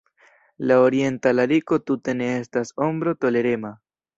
La orienta lariko tute ne estas ombro-tolerema.